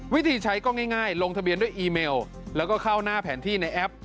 วิธีใช้ก็ง่ายลงทะเบียนด้วยอีเมลแล้วก็เข้าหน้าแผนที่ในแอป